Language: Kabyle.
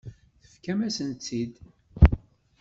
Tefkam-asen-tt-id.